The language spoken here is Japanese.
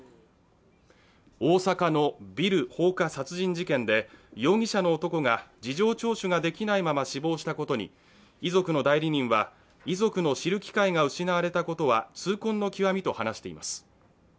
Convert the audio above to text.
大阪のビル放火殺人事件で、容疑者の男が事情聴取ができないまま死亡したことに遺族の代理人は、遺族の知る機会が失われたことは痛恨の極みと話しています。